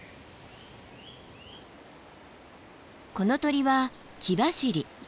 この鳥はキバシリ。